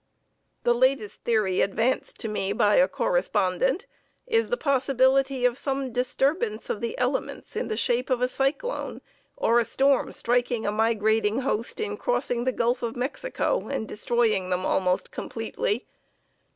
The latest theory advanced to me by a correspondent is the possibility of some disturbance of the elements in the shape of a cyclone, or a storm striking a migrating host in crossing the Gulf of Mexico and destroying them almost completely.